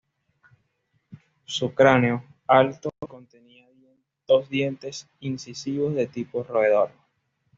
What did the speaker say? Su cráneo, alto, contenía dos dientes incisivos de tipo roedor.